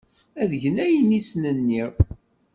Ad gen ayen i asen-nniɣ.